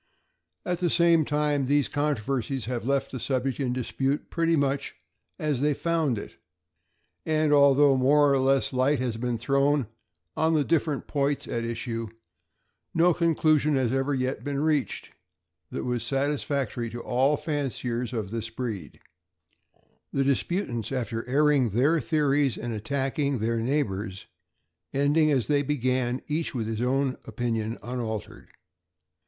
At the same time, these controver sies have left the subject in dispute pretty much as they found it, and although more or less light has been thrown on the different points at issue, no conclusion has ever yet been reached that was satisfactory to all fanciers of this breed; the disputants, after airing their theories and attack ing their neighbors', ending as they began, each with his own opinion unaltered.